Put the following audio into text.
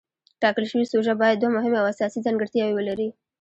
ټاکل شوې سوژه باید دوه مهمې او اساسي ځانګړتیاوې ولري.